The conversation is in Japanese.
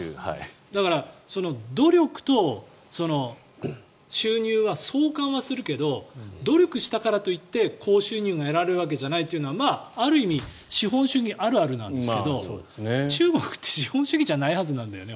だから、努力と収入は相関はするけど努力したからといって高収入が得られるわけじゃないというのはある意味資本主義あるあるなんですけど中国って資本主義じゃないはずなんだよね。